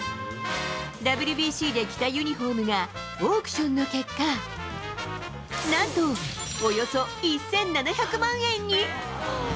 ＷＢＣで着たユニホームがオークションの結果、なんと、およそ１７００万円に。